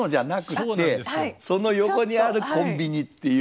その横にあるコンビニっていう。